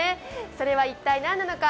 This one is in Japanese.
それは一体何なのか？